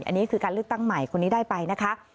อันนี้คือการเลือกตั้งใหม่คนนี้ได้ไปนะคะ